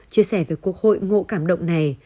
chia sẻ về cuộc hội ngộ cảm động này